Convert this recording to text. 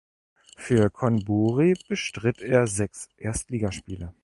Für Chonburi bestritt er sechs Erstligaspiele.